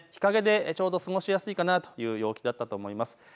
日陰でちょうど過ごしやすいかなという陽気だったと思います。